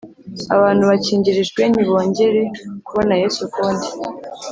abantu bakingirijwe ntibongere kubona Yesu ukundi